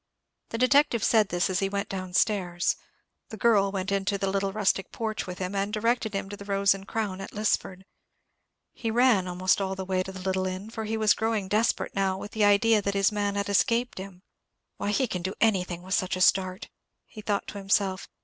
The detective said this as he went down stairs. The girl went into the little rustic porch with him, and directed him to the Rose and Crown at Lisford. He ran almost all the way to the little inn; for he was growing desperate now, with the idea that his man had escaped him. "Why, he can do anything with such a start," he thought to himself.